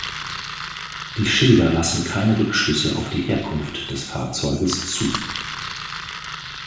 Die Schilder lassen keine Rückschlüsse auf die Herkunft des Fahrzeuges zu.